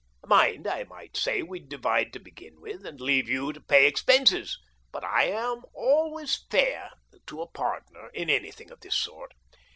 Mind, I might say we'd divide to begin with, and leave you to pay expenses, but I am always fair to a partner in anything of this sort.